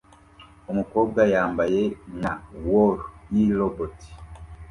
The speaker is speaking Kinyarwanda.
Umukobwa yambaye nka Wall-E robot